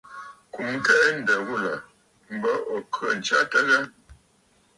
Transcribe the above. Kùm kɛʼɛ̂ ǹdə̀ ghulà m̀bə ò khə̂ ǹtsya ghâ?